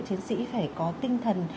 chiến sĩ phải có tinh thần